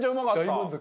大満足。